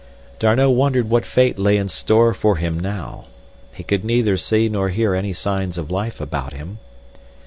D'Arnot wondered what fate lay in store for him now. He could neither see nor hear any signs of life about him.